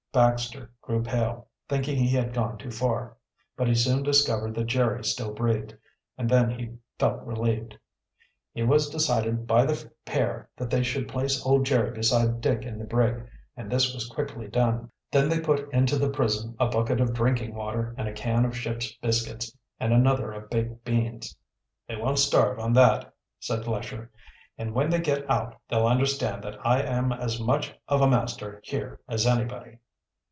Baxter grew pale, thinking he had gone too far. But he soon discovered that Jerry still breathed, and then he felt relieved. It was decided by the pair that they should place old Jerry beside Dick in the brig, and this was quickly done. Then they put into the prison a bucket of drinking water and a can of ship's biscuits, and another of baked beans. "They won't starve on that," said Lesher. "And when they get out they'll understand that I am as much of a master here as anybody."